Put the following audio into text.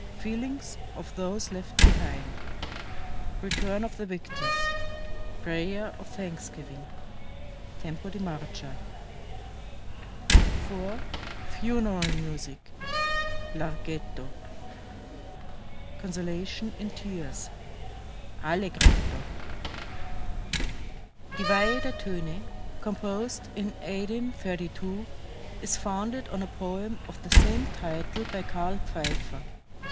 FEELINGS OF THOSE LEFT BEHIND. RETURN OF THE VICTORS. PRAYER OF THANKSGIVING (Tempo di marcia) 4. FUNERAL MUSIC (Larghetto) CONSOLATION IN TEARS (Allegretto) Die Weihe der Töne, composed in 1832, is founded on a poem of the same title by Karl Pfeiffer.